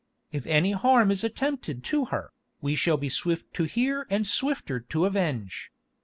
If any harm is attempted to her, we shall be swift to hear and swifter to avenge.